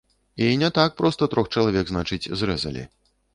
І не так проста трох чалавек, значыць, зрэзалі.